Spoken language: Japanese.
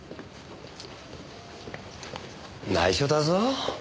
内緒だぞ。